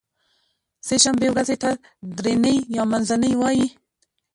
سې شنبې ورځې ته درینۍ یا منځنۍ وایی